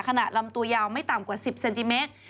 ลำตัวยาวไม่ต่ำกว่า๑๐เซนติเมตร